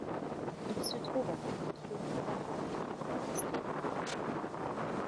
Ils se trouvent à quatre kilomètres d’Arreau, capitale historique de la vallée.